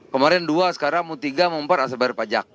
kemarin dua sekarang mau tiga mau empat asal bayar pajak